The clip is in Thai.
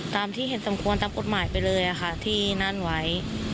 ตามที่เห็นสมควรตามกฎหมายไปเลยค่ะที่นั่นไว้